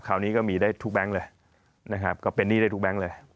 คราวนี้ก็มีได้ทุกแบงค์เลยนะครับก็เป็นหนี้ได้ทุกแบงค์เลย